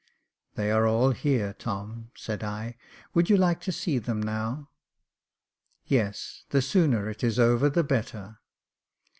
*• They are all here, Tom," said I. Would you like to see them now ?"*' Yes ; the sooner it is over the better."